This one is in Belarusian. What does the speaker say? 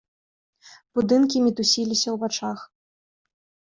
Будынкі мітусіліся ў вачах.